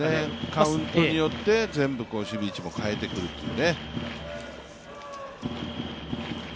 カウントによって全部守備位置も変えてくるという。